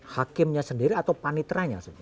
hakimnya sendiri atau paniteranya